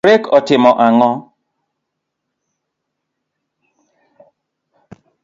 Brek otimo ango'?